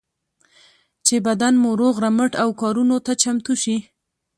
چې بدن مو روغ رمټ او کارونو ته چمتو شي.